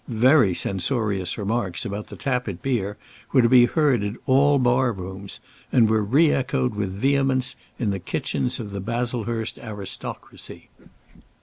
Very censorious remarks about the Tappitt beer were to be heard in all bar rooms, and were re echoed with vehemence in the kitchens of the Baslehurst aristocracy.